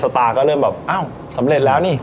ตาก็เริ่มแบบอ้าวสำเร็จแล้วนี่